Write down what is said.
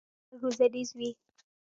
فلم باید د ماشومانو لپاره روزنیز وي